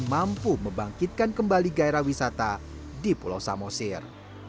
dan mampu membangkitkan kembali gairah wisata di pulau samosir